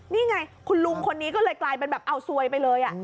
นี่ไงคุณลุงคนนี้ก็เลยกลายเป็นแบบเอาซวยไปเลย